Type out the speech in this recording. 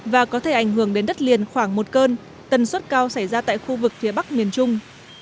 và có thể ảnh hưởng đến đất liền khoảng một cơn tần suất cao xảy ra tại khu vực phía bắc miền trung